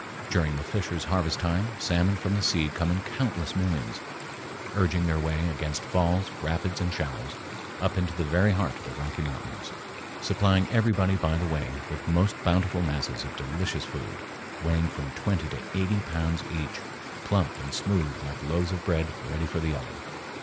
During the fisher's harvest time salmon from the sea come in countless millions, urging their way against falls, rapids, and shallows, up into the very heart of the Rocky Mountains, supplying everybody by the way with most bountiful masses of delicious food, weighing from twenty to eighty pounds each, plump and smooth like loaves of bread ready for the oven.